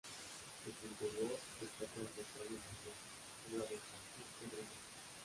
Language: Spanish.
En su interior destaca el retablo mayor, obra de Francisco Ribas.